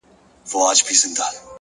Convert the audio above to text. دا ناځوانه نور له كاره دى لوېــدلى،